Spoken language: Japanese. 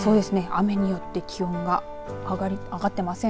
雨によって気温が上がっていません。